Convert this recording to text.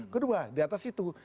kedua di atas itu